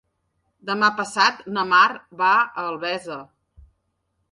Demà passat na Mar va a Albesa.